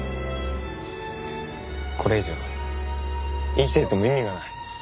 これ以上生きていても意味がない。